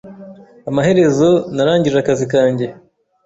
Amaherezo, narangije akazi kanjye.